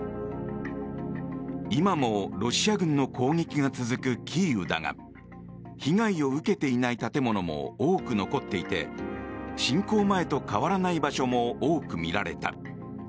今もロシア軍の攻撃が続くキーウだが被害を受けていない建物も多く残っていて侵攻前と変わらない場所も多く見られた。